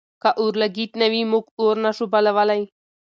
که اورلګیت نه وي، موږ اور نه شو بلولی.